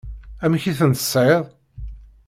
Amek i ten-tesɛiḍ?